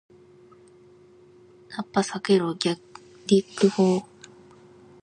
ナッパ避けろー！ギャリック砲ー！